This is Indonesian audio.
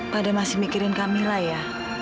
pada masih mikirin kamila ya